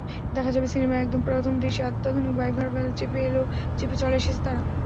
দেখা যাবে সিনেমার একদম প্রথম দৃশ্যে অত্যাধুনিক বাইভার্বালে চেপে চলে এসেছে তারা।